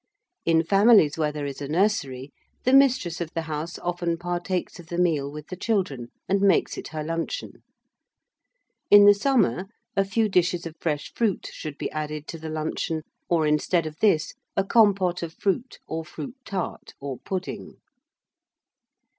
In families where there is a nursery, the mistress of the house often partakes of the meal with the children, and makes it her luncheon. In the summer, a few dishes of fresh fruit should be added to the luncheon, or, instead of this, a compote of fruit or fruit tart, or pudding.